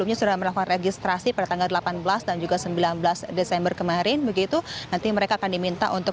sebelumnya sudah melakukan registrasi pada tanggal delapan belas dan juga sembilan belas desember kemarin begitu nanti mereka akan diminta untuk